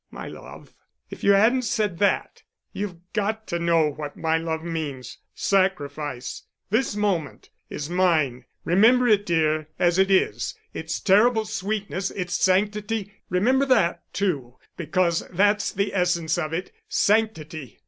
"My love! ... if you hadn't said that! You've got to know what my love means ... sacrifice.... This moment ... is mine.... Remember it, dear—as it is ... its terrible sweetness—its sanctity—remember that, too ... because that's the essence of it ... sanctity.